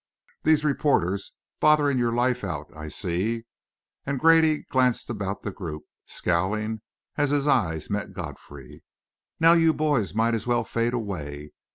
"These reporters bothering your life out, I see," and Grady glanced about the group, scowling as his eyes met Godfrey's. "Now you boys might as well fade away.